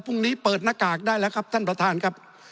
พรุ่งนี้เปิดหน้ากากได้แล้วครับท่านประธานครับ